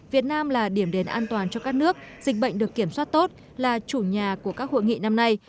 việt nam là điểm đến an toàn cho các nước dịch bệnh được kiểm soát tốt là chủ nhà của các hội nghị năm nay